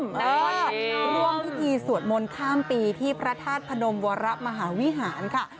ร่วมพิธีสวดมนต์ข้ามปีที่พระธาตุพนมวรมหาวิหารค่ะ